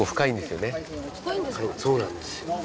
そうなんですね。